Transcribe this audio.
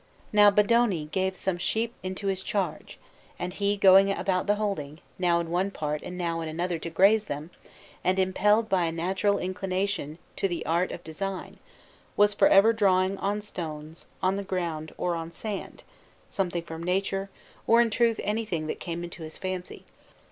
Now Bondone gave some sheep into his charge, and he, going about the holding, now in one part and now in another, to graze them, and impelled by a natural inclination to the art of design, was for ever drawing, on stones, on the ground, or on sand, something from nature, or in truth anything that came into his fancy.